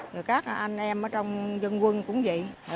người khác anh em ở trong dân quân cũng vậy